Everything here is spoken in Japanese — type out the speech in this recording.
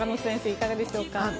いかがでしょうか。